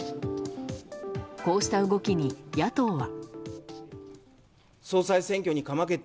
こうした動きに、野党は。